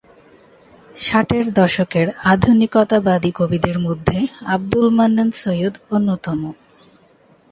ষাটের দশকের আধুনিকতাবাদী কবিদের মধ্যে আবদুল মান্নান সৈয়দ অন্যতম।